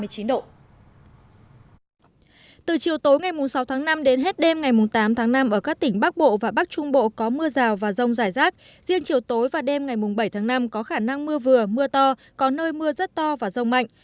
từ chiều tối ngày sáu tháng năm đến hết đêm ngày tám tháng năm ở các tỉnh bắc bộ và bắc trung bộ có mưa rào và rông rải rác riêng chiều tối và đêm ngày bảy tháng năm có khả năng mưa vừa mưa to có nơi mưa rất to và rông mạnh